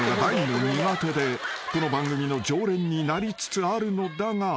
［この番組の常連になりつつあるのだが］